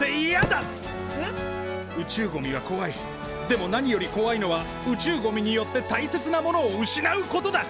でも何よりこわいのは宇宙ゴミによって大切なものを失うことだ。